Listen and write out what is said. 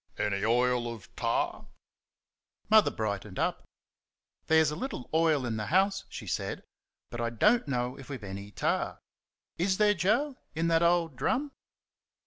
"Any oil of tar?" Mother brightened up. "There's a little oil in the house," she said, "but I don't know if we've any tar. Is there, Joe in that old drum?"